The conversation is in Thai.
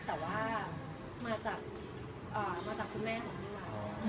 แต่ว่ามาจากคุณแม่ของพี่วัด